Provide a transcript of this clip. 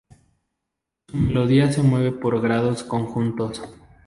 Su melodía se mueve por grados conjuntos.